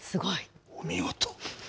お見事。